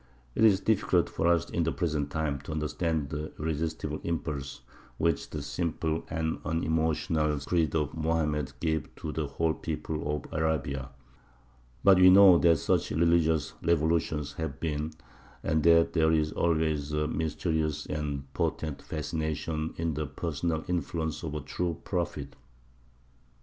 It is difficult for us in the present time to understand the irresistible impulse which the simple and unemotional creed of Mohammed gave to the whole people of Arabia; but we know that such religious revolutions have been, and that there is always a mysterious and potent fascination in the personal influence of a true prophet.